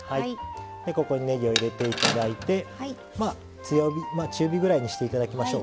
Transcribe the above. ここにねぎを入れて頂いて中火ぐらいにして頂きましょう。